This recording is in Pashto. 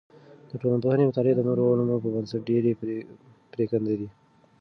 د ټولنپوهنې مطالعې د نورو علمونو په نسبت ډیر پریکنده دی.